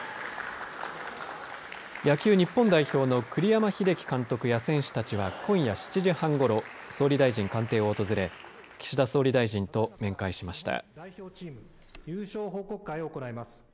野球日本代表の栗山英樹監督や選手たちは今夜７時半ごろ、総理大臣官邸を訪れ、岸田総理大臣と面会しました。